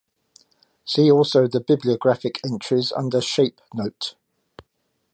See also the bibliographic entries under Shape note.